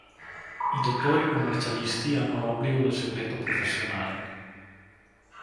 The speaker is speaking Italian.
I dottori commercialisti hanno l'obbligo del segreto professionale.